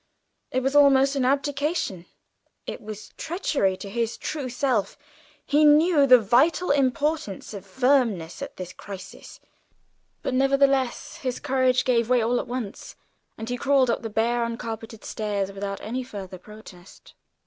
It was almost an abdication, it was treachery to his true self; he knew the vital importance of firmness at this crisis. But nevertheless his courage gave way all at once, and he crawled up the bare, uncarpeted stairs without any further protest!